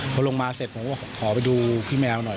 พอลงมาเสร็จผมก็ขอไปดูพี่แมวหน่อย